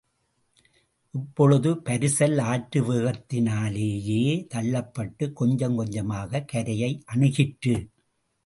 இப்பொழுது பரிசல் ஆற்று வேகத்தினாலேயே தள்ளப்பட்டுக் கொஞ்சங் கொஞ்சமாகக் கரையை அணுகிற்று.